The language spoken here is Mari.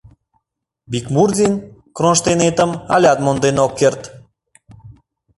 Бикмурзин кронштейнетым алят монден ок керт.